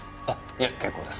いや結構です。